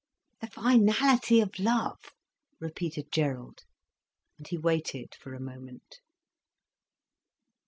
"The finality of love," repeated Gerald. And he waited for a moment.